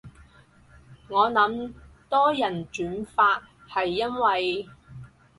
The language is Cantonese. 我諗多人轉發係因為